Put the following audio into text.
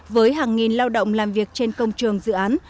với hàng nghìn lao động làm việc trên công trường dự án